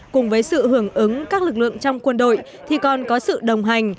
cùng với sự hưởng ứng các lực lượng trong quân đội thì còn có sự đồng hành